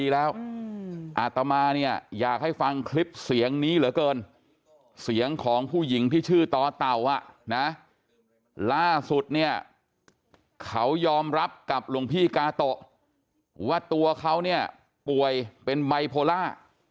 ล่าสุดเนี่ยเขายอมรับกับหลวงพี่กาโตะว่าตัวเขาเนี่ยป่วยเป็นไบโพล่า